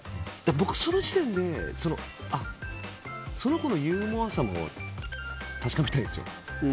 僕、その時点でその子のユーモアさも確かめたいです。